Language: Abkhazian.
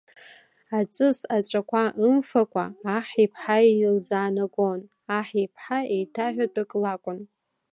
Аҵыс аҵәақәа ымфакәа, аҳ иԥҳа илзаанагон, аҳ иԥҳа еиҭаҳәатәык лакәын.